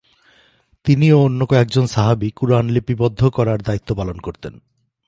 তিনি ও অন্য কয়েকজন সাহাবি কুরআন লিবিবদ্ধ করার দায়িত্বপালন করতেন।